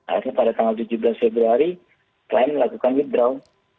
akhirnya pada tanggal tujuh belas februari klien melakukan hidround